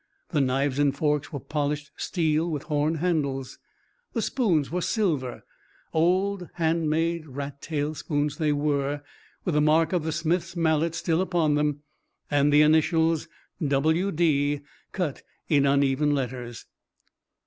The knives and forks were polished steel with horn handles. The spoons were silver; old handmade rat tail spoons they were, with the mark of the smith's mallet still upon them and the initials W.D. cut in uneven letters.